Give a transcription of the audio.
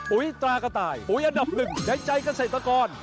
ปุ๋ยตากระต่ายปุ๋ยอันดับ๑ในใจเกษตรกร